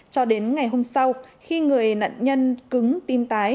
cho đến ngày hôm sau khi người nạn nhân cứng tim tái